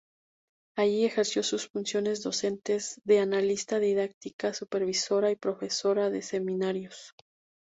Allí ejerció las funciones docentes de analista didáctica, supervisora y profesora de seminarios.